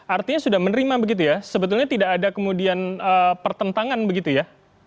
artinya sudah menerima begitu ya sebetulnya tidak ada kemudian pertentangan begitu ya